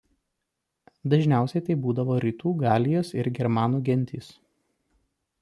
Dažniausiai tai būdavo rytų Galijos ar germanų gentys.